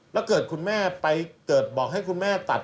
แล้วเกิดคุณแม่ไปเกิดบอกให้คุณแม่ตัด